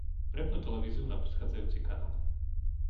Prepnúť televíziu na predchádzajúci kanál.